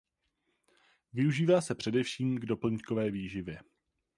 Využívá se především k doplňkové výživě.